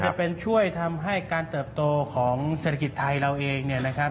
ก็จะเป็นช่วยทำให้การเติบโตของเศรษฐกิจไทยเราเอง